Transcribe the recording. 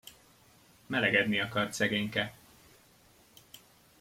Melegedni akart szegényke!